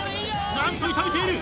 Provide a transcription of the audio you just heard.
何と痛めている。